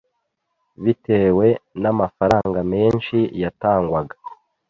bitewe n'amafaranga menshi yatangwaga.